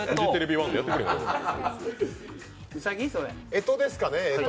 干支ですかね、干支。